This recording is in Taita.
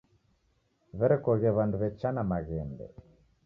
W'erekoghe w'andu w'echana maghembe.